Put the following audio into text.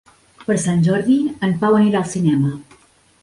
Per Sant Jordi en Pau anirà al cinema.